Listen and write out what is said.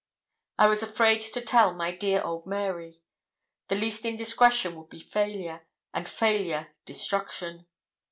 I was afraid to tell my dear old Mary. The least indiscretion would be failure, and failure destruction.